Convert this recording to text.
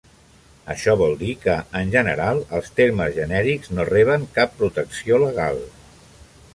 Això vol dir que, en general, els termes genèrics no reben cap protecció legal.